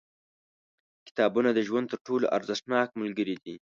• کتابونه د ژوند تر ټولو ارزښتناک ملګري دي.